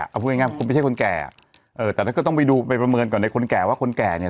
เอาพูดง่ายคุณไม่ใช่คนแก่แต่ท่านก็ต้องไปดูไปประเมินก่อนในคนแก่ว่าคนแก่เนี่ย